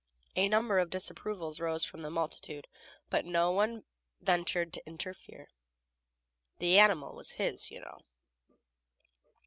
A number of disapprovals arose from the multitude, but no one ventured to interfere. The animal was his, you know.